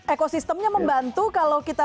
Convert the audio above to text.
ekosistemnya membantu kalau kita